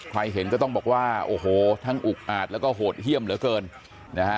เห็นก็ต้องบอกว่าโอ้โหทั้งอุกอาจแล้วก็โหดเยี่ยมเหลือเกินนะฮะ